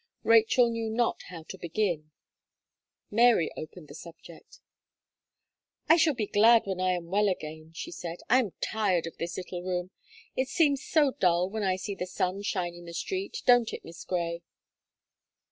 Rachel knew not how to begin. Mary opened the subject. "I shall be glad when I am well again," she said, "I am tired of this little room; it seems so dull when I see the sun shine in the street, don't it, Miss Gray?"